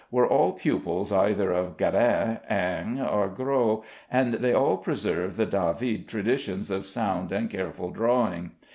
were all pupils either of Guérin, Ingres, or Gros, and they all preserved the David traditions of sound and careful drawing.